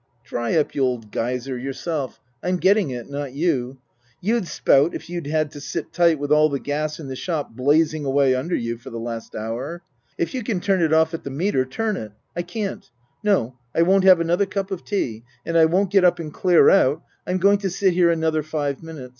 " Dry up, you old Geyser, yourself. I'm getting it, not you. You'd spout if you'd had to sit tight with all the gas in the shop blazing away under you for the last hour. If you can turn it off at the meter, turn it. I can't. No, I won't have another cup of tea. And I won't get up and clear out, I'm going to sit here another five minutes.